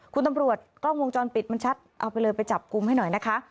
คุณตำรวจกล้องวงจรปิดมันชัดเอาไปเลยไปจับกลุ่มให้หน่อยนะคะ